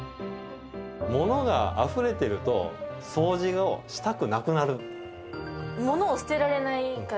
物があふれてるとそうじをしたくなくなる。